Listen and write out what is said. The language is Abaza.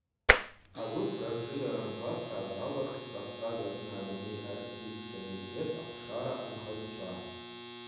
Агвып рыршӏыйара ргватра азалырхтӏ Кӏавкӏаз апны Адуней Артийск комитет ахъвшара анхагӏвчва.